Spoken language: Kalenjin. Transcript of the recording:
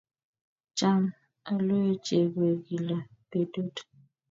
Cham alue chego gila petut